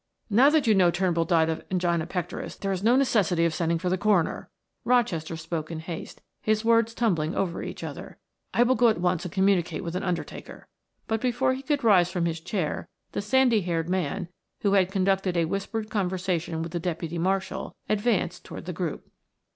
"Now that you know Turnbull died of angina pectoris there is no necessity of sending for the coroner," Rochester spoke in haste, his words tumbling over each other. "I will go at once and communicate with an undertaker." But before he could rise from his chair the sandy haired man, who had conducted a whispered conversation with the deputy marshal, advanced toward the group.